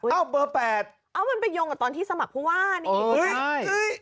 เอ้าเบอร์๘เอ้ามันไปโยงกับตอนที่สมัครผู้ว่านี่